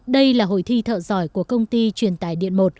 đây là hội thi thợ giỏi của công ty truyền tải điện một